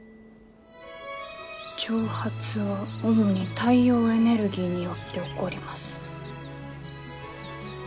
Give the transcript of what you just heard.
「蒸発は主に太陽エネルギーによって起こります」。